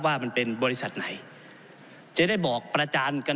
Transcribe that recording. คือมันเป็นประเด็นต่อเนื่องครับท่านประธานครับ